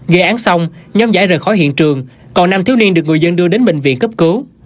gây án xong nhóm giải rời khỏi hiện trường còn năm thiếu niên được người dân đưa đến bệnh viện cấp cứu